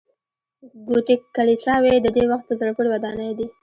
ګوتیک کلیساوې د دې وخت په زړه پورې ودانۍ دي.